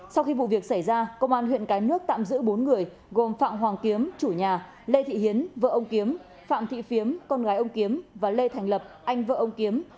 sau khi vụ việc xảy ra công an huyện cái nước tạm giữ bốn người gồm phạm hoàng kiếm chủ nhà lê thị hiến vợ ông kiếm phạm thị phiếm con gái ông kiếm và lê thành lập anh vợ ông kiếm